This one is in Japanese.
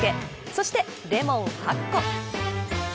そして、レモン８個。